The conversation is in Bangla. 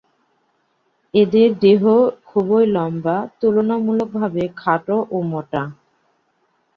এদের দেহ খুবই লম্বা, তুলনামূলক ভাবে খাটো ও মোটা।